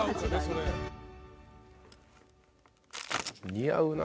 似合うな。